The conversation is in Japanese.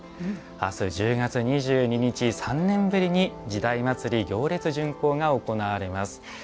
明日１０月２２日３年ぶりに「時代祭」行列巡行が行われます。